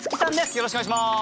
よろしくお願いします。